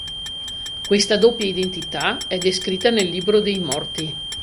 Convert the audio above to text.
Questa doppia identità è descritta nel "Libro dei Morti".